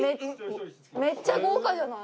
めっちゃ豪華じゃない？